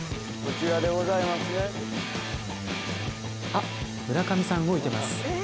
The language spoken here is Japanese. こちらでございますね。